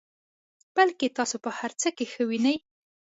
بلکې تاسو په هر څه کې ښه وینئ.